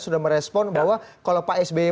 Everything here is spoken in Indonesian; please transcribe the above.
sudah merespon bahwa kalau pak sby